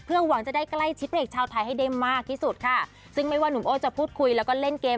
หวังจะได้ใกล้ชิดพระเอกชาวไทยให้ได้มากที่สุดค่ะซึ่งไม่ว่าหนุ่มโอ้จะพูดคุยแล้วก็เล่นเกม